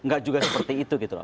gak juga seperti itu gitu loh